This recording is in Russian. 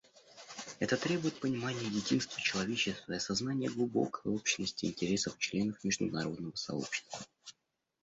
Это требует понимания единства человечества и осознания глубокой общности интересов членов международного сообщества.